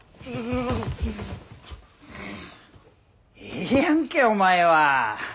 ええやんけお前は。